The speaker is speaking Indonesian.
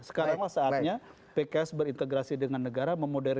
sekarang saatnya pks berintegrasi dengan negara